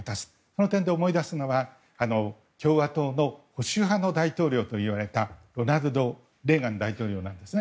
この点で思い出すのは共和党の保守派の大統領といわれたロナルド・レーガン大統領です。